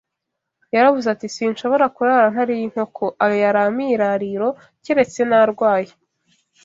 Yaravuze ati sinshobora kurara ntariye inkoko ayoyari amirariro keretse narwaye